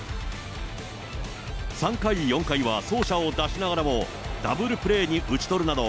３回、４回は走者を出しながらも、ダブルプレーに打ち取るなど、